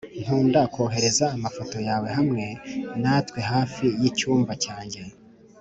nkunda kohereza amafoto yawe hamwe natwe hafi yicyumba cyanjye